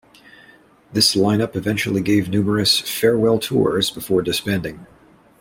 This line up eventually gave numerous 'farewell tours' before disbanding.